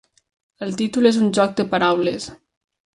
El títol és un joc de paraules.